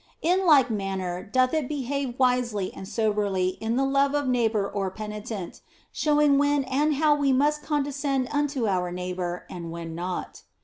In like manner doth it behave wisely and soberly in the OF FOLIGNO 125 love of neighbour or penitent, showing when and how we must condescend unto our neighbour and when not.